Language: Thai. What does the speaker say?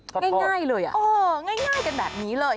ขอโทษเลยอ่ะง่ายกันแบบนี้เลย